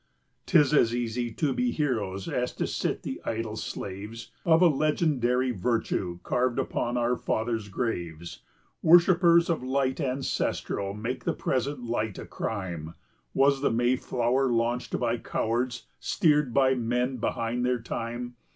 70 'Tis as easy to be heroes as to sit the idle slaves Of a legendary virtue carved upon our fathers' graves, Worshippers of light ancestral make the present light a crime; Was the Mayflower launched by cowards, steered by men behind their time?